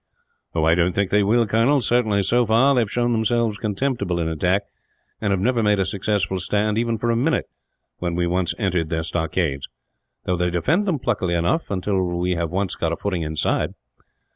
"I don't think they will, Colonel. Certainly, so far, they have shown themselves contemptible in attack; and have never made a successful stand, even for a minute, when we once entered their stockades, though they defend them pluckily enough until we have once got a footing inside.